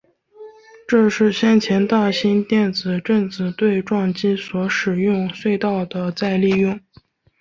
这是先前大型电子正子对撞机所使用隧道的再利用。